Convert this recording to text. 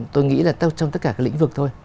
tôi nghĩ là trong tất cả các lĩnh vực thôi